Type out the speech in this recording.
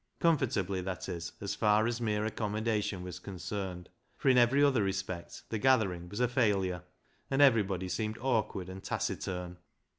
Comfortably, that is, as far as mere accommodation was concerned, for in every other respect the gathering was a failure, and everybody seemed awkward and taciturn.